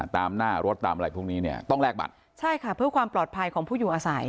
ตามหน้ารถตามอะไรพวกนี้เนี่ยต้องแลกบัตรใช่ค่ะเพื่อความปลอดภัยของผู้อยู่อาศัย